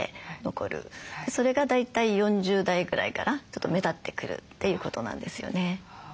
それが大体４０代ぐらいからちょっと目立ってくるということなんですよね。